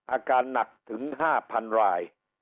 อาการหนักถึง๕๐๐๐ราย